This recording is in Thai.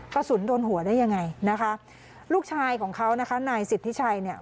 กระสุนโดนหัวได้ยังไงนะคะลูกชายของเขานะคะนายสิทธิชัยเนี่ย